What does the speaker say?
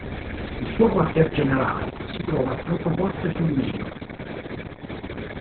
Il suo quartier generale si trova a Francoforte sul Meno.